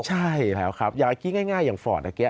ใช่แล้วครับอย่างอันกี้ง่ายอย่างฟอร์ตอันเกียร์